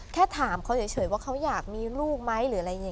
แค่ถามเขาเฉยว่าเขาอยากมีลูกไหม